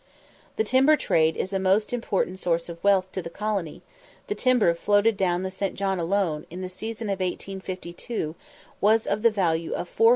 The timber trade is a most important source of wealth to the colony the timber floated down the St. John alone, in the season of 1852, was of the value of 405,208_l.